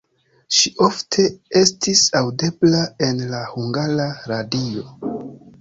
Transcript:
Ŝi ofte estis aŭdebla en la Hungara Radio.